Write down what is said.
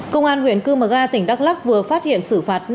công an huyện cư mờ ga tỉnh đắk lắc vừa phát hiện xử phạt